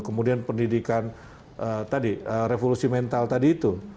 kemudian pendidikan tadi revolusi mental tadi itu